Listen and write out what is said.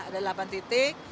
ada delapan titik